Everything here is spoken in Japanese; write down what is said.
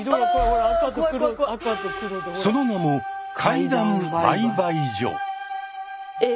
その名も「怪談売買所」。